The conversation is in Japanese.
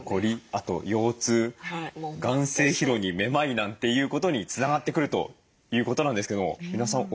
あと腰痛眼精疲労にめまいなんていうことにつながってくるということなんですけども箕輪さんお心当たりなどどうですか？